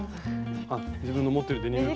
あっ自分の持ってるデニムを切って。